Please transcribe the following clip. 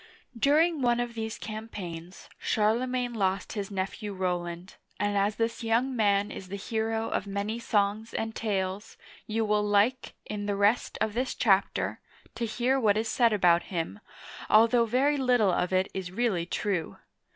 During one of these campaigns, Charlemagne lost his nephew Rowland, and as this young man is the hero of many songs and tales, you will like, in the rest of this chapter, to hear what is said about him, although very little of it is really true.